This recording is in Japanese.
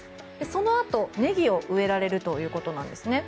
そのあと、ネギを植えられるということです。